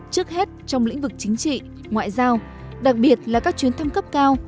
trước hết trong lĩnh vực chính trị ngoại giao đặc biệt là các chuyến thăm cấp cao